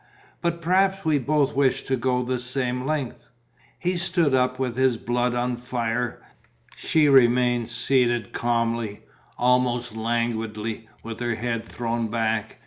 "But perhaps we both wish to go to the same length?" He had stood up, with his blood on fire. She remained seated calmly, almost languidly, with her head thrown back.